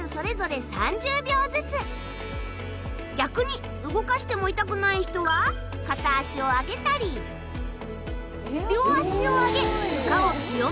逆に動かしても痛くない人は片足を上げたり両足を上げ。